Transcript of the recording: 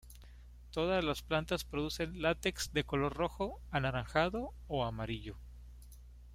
Todas las plantas producen látex de color rojo, anaranjado o amarillo.